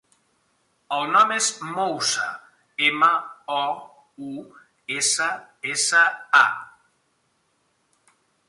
El nom és Moussa: ema, o, u, essa, essa, a.